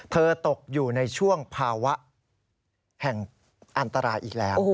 ตกอยู่ในช่วงภาวะแห่งอันตรายอีกแล้ว